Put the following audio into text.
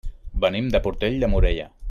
Venim de Portell de Morella.